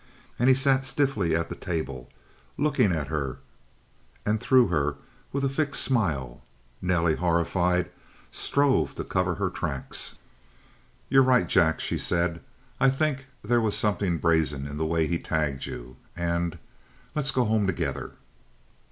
And he sat stiffly at the table, looking at her and through her with a fixed smile. Nelly, horrified, strove to cover her tracks. "You're right, Jack," she said. "I I think there was something brazen in the way he tagged you. And let's go home together!"